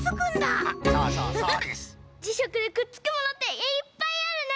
じしゃくでくっつくものっていっぱいあるね！